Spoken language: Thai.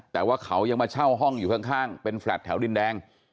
แต่ว่าเขายังมาเช่าห้องอยู่ข้างเป็นแฟลต์แถวดินแดง